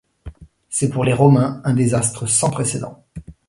C'est pour les Romains un désastre sans précédent.